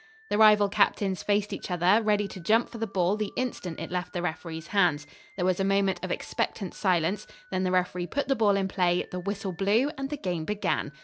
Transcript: The rival captains faced each other, ready to jump for the ball the instant it left the referee's hands. There was a moment of expectant silence; then the referee put the ball in play, the whistle blew and the game began.